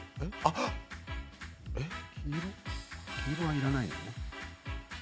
黄色は、いらないよね。